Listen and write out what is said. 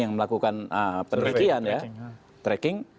yang melakukan penerikian